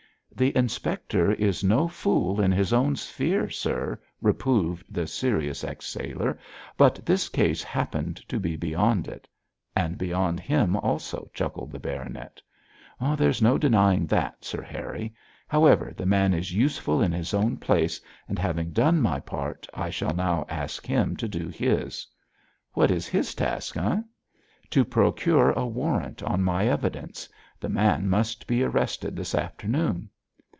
'The inspector is no fool in his own sphere, sir,' reproved the serious ex sailor, 'but this case happened to be beyond it.' 'And beyond him also,' chuckled the baronet. 'There is no denying that, Sir Harry. However, the man is useful in his own place, and having done my part, I shall now ask him to do his.' 'What is his task, eh?' 'To procure a warrant on my evidence. The man must be arrested this afternoon.'